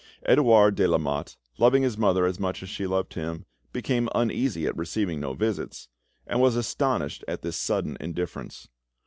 Edouard de Lamotte, loving his mother as much as she loved him, became uneasy at receiving no visits, and was astonished at this sudden indifference.